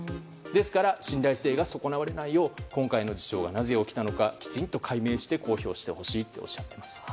ですから信頼性が損なわれないよう今回の事象はなぜ起きたのかきちんと解明して公表してほしいとおっしゃっています。